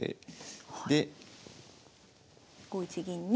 ５一銀に。